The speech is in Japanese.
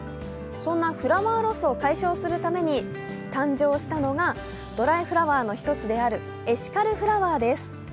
そんなフラワーロスを解消するために誕生したのがドライフラワーの一つであるエシカルフラワーです。